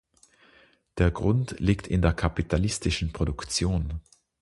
Der Grund liegt in der kapitalistischen Produktion.